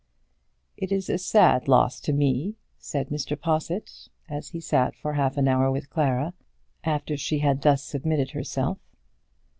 "It is a sad loss to me," said Mr. Possitt, as he sat for half an hour with Clara, after she had thus submitted herself.